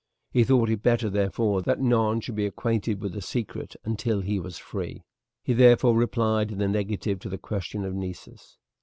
He thought it better, therefore, that none should be acquainted with the secret until he was free. He therefore replied in the negative to the question of Nessus.